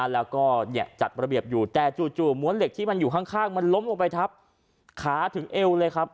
แล้วก็จัดระเบียบอยู่แต่จู่ม้วนเหล็กที่มันอยู่ข้างมันล้มลงไปทับขาถึงเอวเลยครับ